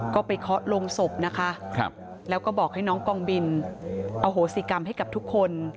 ก็ไปเคาะลงศพนะคะแล้วก็บอกให้น้องกองบินอโหสิกรรมให้กับทุกคน